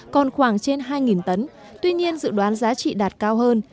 còn khoảng trên hai tấn tuy nhiên dự đoán giá trị đạt cao hơn